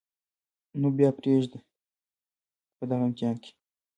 نو بیا پرېږدئ چې په دغه امتحان کې